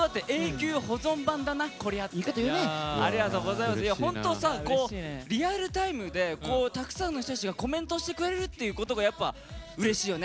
いや本当さリアルタイムでたくさんの人たちがコメントをしてくれるっていうことがやっぱうれしいよね。